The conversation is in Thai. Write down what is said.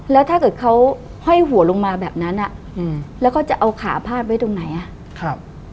แล้วถ้าเกิดเขาห้อยหัวลงมาแบบนั้นอ่ะอืมแล้วก็จะเอาขาพาดไว้ตรงไหนอ่ะครับ